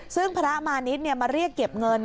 ซึ่งพระอำมาตย์นี้มาเรียกเก็บเงิน